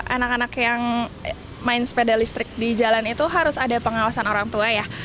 anak anak yang main sepeda listrik di jalan itu harus ada pengawasan orang tua ya